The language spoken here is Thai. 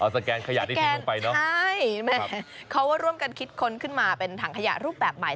สแกนขยะที่ทิ้งลงไปเนอะใช่แม่เขาก็ร่วมกันคิดค้นขึ้นมาเป็นถังขยะรูปแบบใหม่